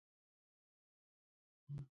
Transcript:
استاد بینوا د ټولني د اصلاح فکر درلود.